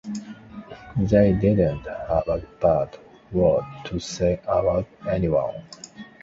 They didn't have a bad word to say about anyone.